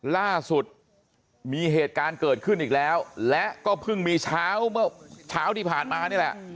ล่าสุดมีเหตุการณ์เกิดขึ้นอีกแล้วและก็เพิ่งมีเช้าเมื่อเช้าที่ผ่านมานี่แหละ